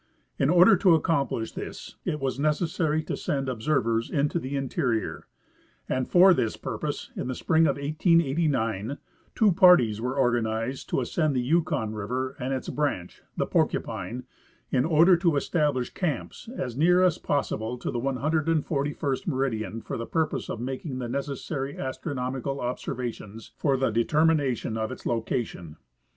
In order to_ accomplish this it was necessary to send ob servers into the interior, and for this purpose in the spring of 1889 two parties were organized to ascend the Yukon river and its branch, the Porcupine, in order to establish camps as near as possible to the 141st meridian for the purpose of making the nec essary astronomical observations for the determination of its location.